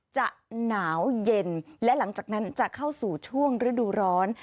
จะหนาวเย็นและหลังจากนั้นจะเข้าสู่ช่วงฤดูร้อน